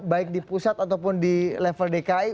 baik di pusat ataupun di level dki